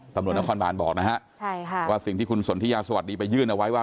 ตำรวจนครบานบอกนะฮะใช่ค่ะว่าสิ่งที่คุณสนทิยาสวัสดีไปยื่นเอาไว้ว่า